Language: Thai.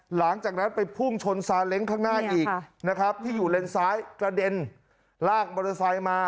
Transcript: หลังจากนั้นไปพุ่งชนซาเล้งข้างหน้าอีกนะครับที่อยู่เลนซ้ายกระเด็นลากมอเตอร์ไซค์มา